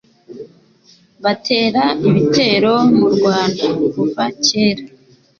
batera ibitero mu Rwanda kuva cyera